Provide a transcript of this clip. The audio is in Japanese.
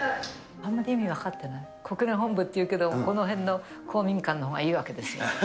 あまり意味が分かってない、国連本部っていうけど、この辺の公民館のほうがいいわけですよ。